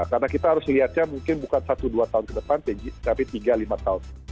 karena kita harus lihatnya mungkin bukan satu dua tahun ke depan tapi tiga lima tahun